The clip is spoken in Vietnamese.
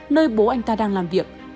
nơi bố anh ta đang làm việc